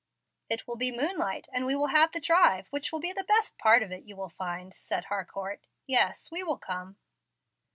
"It will be moonlight, and we will have the drive, which will be the best part of it, you will find," said Harcourt. "Yes, we will come."